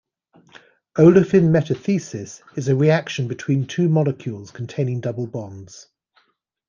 Olefin metathesis is a reaction between two molecules containing double bonds.